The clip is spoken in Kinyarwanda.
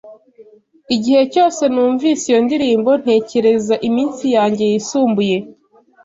Igihe cyose numvise iyo ndirimbo, ntekereza iminsi yanjye yisumbuye.